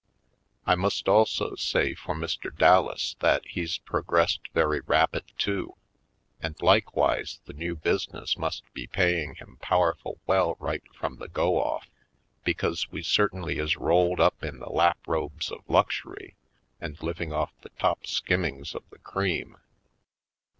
I must also say for Mr. Dallas that he's progressed very rapid, too. And likewise the new business must be paying him powerful well right from the go ofif, be cause we certainly is rolled up in the lap robes of luxury and living off the top skim mings of the cream.